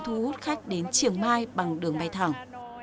thu hút khách đến chiều mai bằng đường bay thẳng